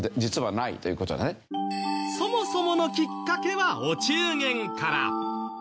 そもそものきっかけはお中元から。